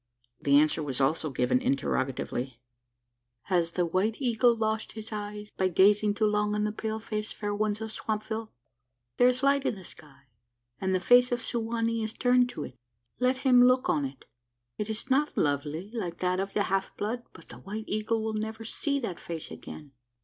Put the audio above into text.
The answer was also given interrogatively, "Has the White Eagle lost his eyes, by gazing too long on the pale faced fair ones of Swampville? There is light in the sky, and the face of Su wa nee is turned to it. Let him look on it: it is not lovely like that of the half blood, but the White Eagle will never see that face again."